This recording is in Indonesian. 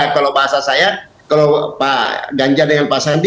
kalau pak asasaya kalau pak ganjar dengan pak sandi